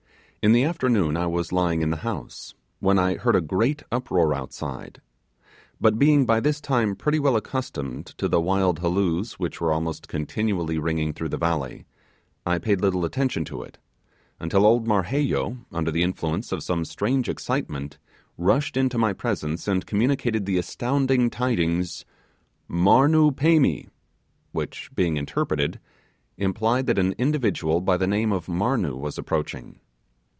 In the afternoon I was lying in the house when I heard a great uproar outside; but being by this time pretty well accustomed to the wild halloos which were almost continually ringing through the valley, I paid little attention to it, until old Marheyo, under the influence of some strange excitement, rushed into my presence and communicated the astounding tidings, 'Marnoo pemi!' which being interpreted, implied that an individual by the name of Marnoo was approaching.